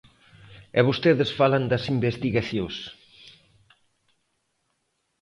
E vostedes falan das investigacións.